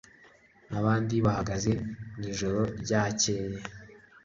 nabandi bahageze mwijoro ryakeye